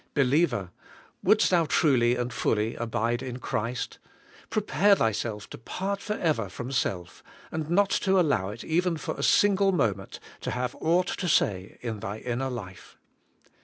Believer! wouldest thou truly and fully abide in Christ, prepare thyself to part for ever from self, and not to allow it, even for a single moment, to have aught to say in thy inner life.